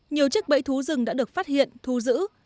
nhiều chức bẫy thú rừng đã được phát hiện thu giữ